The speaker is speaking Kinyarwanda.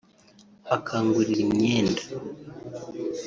akangurira imyenda